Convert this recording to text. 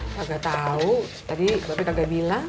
nggak tau tadi mba be nggak bilang